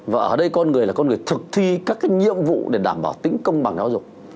và ở đây con người là con người thực thi các cái nhiệm vụ để đảm bảo tính công bằng giáo dục